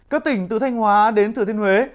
các tỉnh từ thanh hóa đến thừa thiên huế